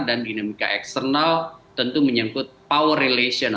dan dinamika eksternal tentu menyangkut power relation